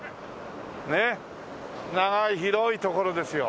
ねっ長い広い所ですよ。